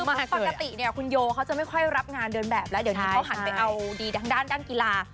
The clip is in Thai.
คือปกติเนี่ยคุณโยเขาจะไม่ค่อยรับงานเดินแบบแล้วเดี๋ยวนี้เขาหันไปเอาดีทางด้านกีฬา